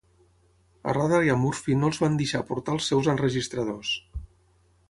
A Rather i a Murphy no els van deixar portar els seus enregistradors.